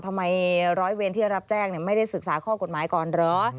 ร้อยเวรที่รับแจ้งไม่ได้ศึกษาข้อกฎหมายก่อนเหรอ